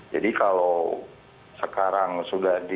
jadi kalau sekarang sudah di